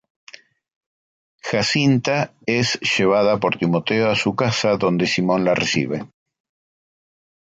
Jacinta es llevada por Timoteo a su casa, donde Simón la recibe.